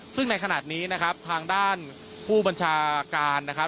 ซึ่งในขณะนี้นะครับทางด้านผู้บัญชาการนะครับ